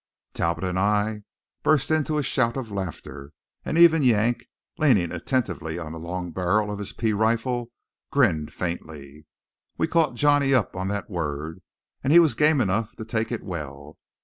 Talbot and I burst into a shout of laughter, and even Yank, leaning attentively on the long barrel of his pea rifle, grinned faintly. We caught Johnny up on that word and he was game enough to take it well.